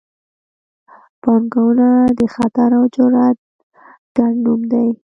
پانګونه د خطر او جرات ګډ نوم دی.